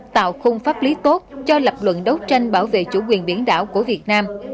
tạo khung pháp lý tốt cho lập luận đấu tranh bảo vệ chủ quyền biển đảo của việt nam